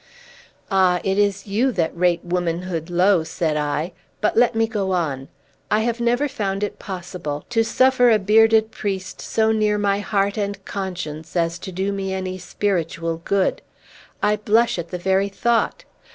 "Ah! it is you that rate womanhood low," said I. "But let me go on. I have never found it possible to suffer a bearded priest so near my heart and conscience as to do me any spiritual good. I blush at the very thought!